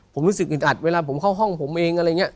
ผมรู้สึกอึดอัดเวลาผมเข้าห้องผมเองอะไรอย่างนี้